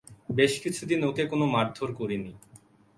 বেশ কিছুদিন ওকে কোনো মারধাের করিনি।